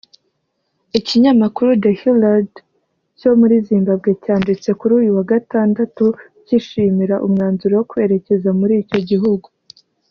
Ikinyamakuru The Herald cyo muri Zimbabwe cyanditse kuri uyu wa Gatandatu cyishimira umwanzuro wo kwerekeza muri icyo gihugu